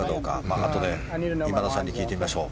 あとで今田さんに聞いてみましょう。